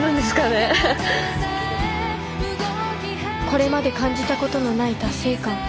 これまで感じたことのない達成感。